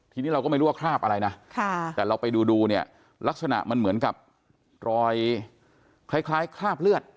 ทีนี้เราก็ไม่รู้ว่าคราบอะไรนะแต่เราไปดูเนี่ยลักษณะมันเหมือนกับรอยคล้ายคราบเลือด